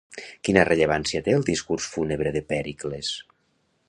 Quina rellevància té el discurs fúnebre de Pèricles?